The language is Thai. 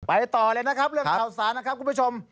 ต่อเลยนะครับเรื่องข่าวสารนะครับคุณผู้ชม